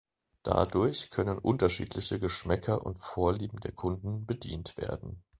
Dadurch können unterschiedliche Geschmäcker und Vorlieben der Kunden bedient werden.